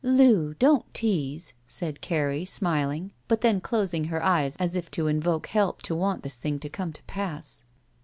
*'Loo, don't tease," said Carrie, smiling, but then closing her eyes as if to invoke help to want this thing to come to pass.